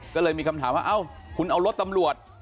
ก็เลยมีคำถามว่าเอ้าคุณเอารถตำรวจ